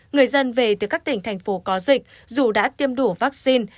người dân về từ các tỉnh thành phố có dịch dù đã tiêm đủ vaccine